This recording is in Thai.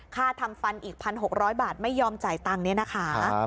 ค่าทำฟันอีกพันหกร้อยบาทไม่ยอมจ่ายตังค์เนี่ยนะคะ